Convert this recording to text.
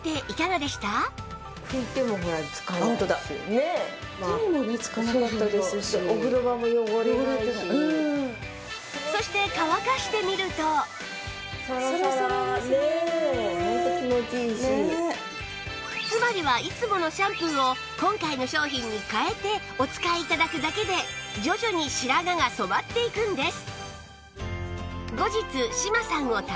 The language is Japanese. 実際にそしてつまりはいつものシャンプーを今回の商品に変えてお使い頂くだけで徐々に白髪が染まっていくんです